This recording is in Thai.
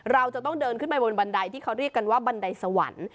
เราจะต้องเดินขึ้นไปบนบันไดที่เขาเรียกกันว่าบันไดสวรรค์